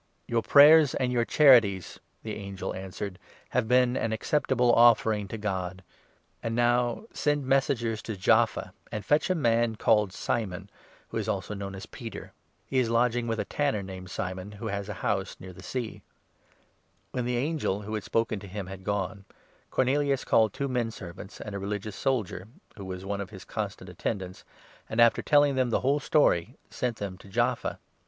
"Your prayers and your charities," the angel answered, "have been an acceptable offering to God. And now, send 5 messengers to Jaffa and fetch a man called Simon, who is also known as Peter. He is lodging with a tanner named Simon, 6 who has a house near the sea." When the angel, who had spoken to him, had gone, Cornelius 7 called two menservants and a religious soldier, who was one of his constant attendants, and, after telling them the whole 8 story, sent them to Jaffa.